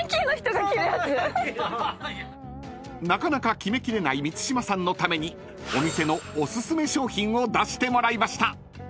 ［なかなか決め切れない満島さんのためにお店のお薦め商品を出してもらいました］